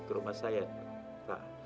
ke rumah saya pak